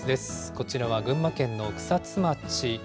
こちらは群馬県の草津町。